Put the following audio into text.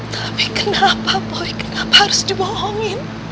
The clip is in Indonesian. tapi kenapa boy kenapa harus dibohongin